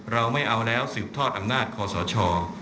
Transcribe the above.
เราไม่เอาแล้วสืบทอดอำนาจคอสช